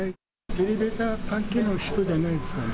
エレベーター関係の人じゃないですかね。